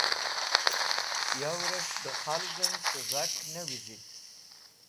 Yawrẽs̃h dẽ khalgẽn sẽzak ne wizit.